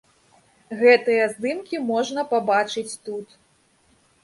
Гэтыя здымкі можна пабачыць тут.